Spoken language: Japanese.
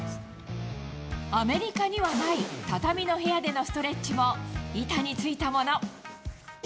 アメリカにはない畳の部屋でのストレッチも板についたもの。